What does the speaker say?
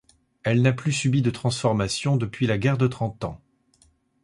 Elle n'a plus subi de transformation depuis la guerre de Trente Ans.